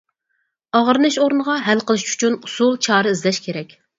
ئاغرىنىش ئورنىغا ھەل قىلىش ئۈچۈن ئۇسۇل-چارە ئىزدەش كېرەك.